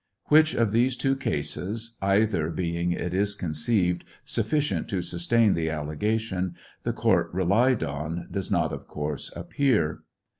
Which of these two cases (either being, it is conceived, sufficient to sustain the allegation) the court relied on, does not, of course, appear.